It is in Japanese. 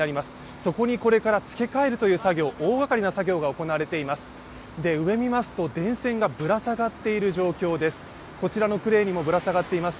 そこにこれから付け替えるという大がかりな作業が行われています。